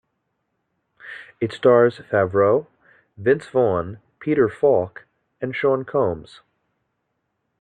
It stars Favreau, Vince Vaughn, Peter Falk, and Sean Combs.